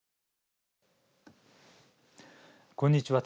こんにちは。